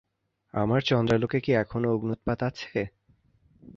আমার চন্দ্রলোকেও কি এখনো অগ্ন্যুৎপাত আছে।